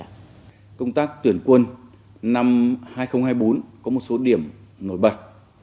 công tác tuyển quân năm hai nghìn hai mươi bốn có một số điểm nổi bật